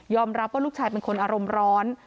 รับว่าลูกชายเป็นคนอารมณ์ร้อน